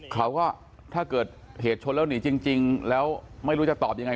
เขาก็ถ้าเกิดเหตุชนแล้วหนีจริงแล้วไม่รู้จะตอบยังไง